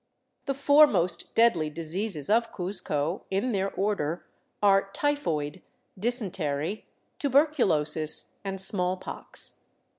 The four most deadly diseases of Cuzco, in their order, are typhoid, dysentery, tuberculosis, and smallpox.